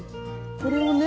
これをね